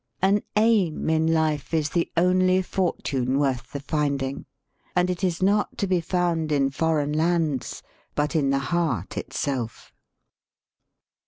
"An aim in life is the only fortune worth the finding; and it is not to be found in foreign lands, but in the heart itself."